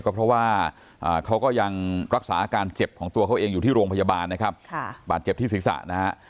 ก็เพราะว่าเขาก็ยังรักษาอาการเจ็บของตัวเขาเองอยู่ที่โรงพยาบาลนะครับบาดเจ็บที่ศีรษะนะฮะ